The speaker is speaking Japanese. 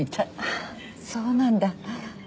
あっそうなんだ。